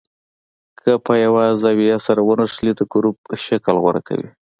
که په یوه زاویه سره ونښلي د ګروپ شکل غوره کوي.